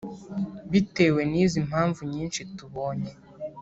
bitewe nizi mpamvu nyinshi tubonye